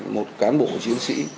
một cán bộ chiến sĩ